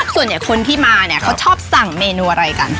คนที่มาเนี่ยเขาชอบสั่งเมนูอะไรกัน